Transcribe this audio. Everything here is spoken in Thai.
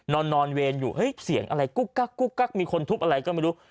นอนเวรอยู่เฮ้ยเสียงอะไรกุ๊กกักกุ๊กกักมีคนทุบอะไรก็ไม่รู้